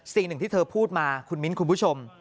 สิ่งหนึ่งที่เธอพูดมาคุณมิ้นคุณผู้ชม